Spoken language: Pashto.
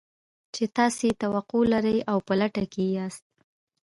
چې تاسې يې توقع لرئ او په لټه کې يې ياست.